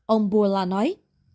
ông bourla nói